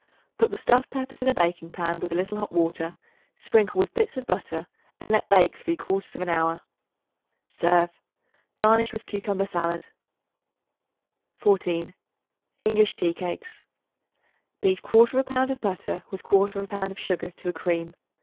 Put the stuffed peppers in a baking pan with a little hot water; sprinkle with bits of butter and let bake three quarters of an hour. Serve. Garnish with cucumber salad. 14. English Tea Cakes. Beat 1/4 pound of butter with 1/4 pound of sugar to a cream.